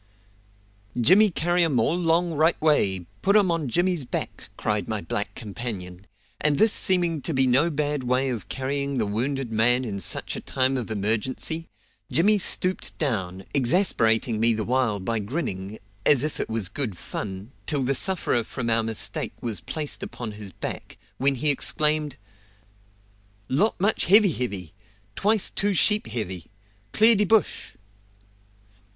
"Jimmy carry um all 'long right way; put um on Jimmy's back!" cried my black companion; and this seeming to be no bad way of carrying the wounded man in such a time of emergency, Jimmy stooped down, exasperating me the while by grinning, as if it was good fun, till the sufferer from our mistake was placed upon his back, when he exclaimed: "Lot much heavy heavy! Twice two sheep heavy. Clear de bush!"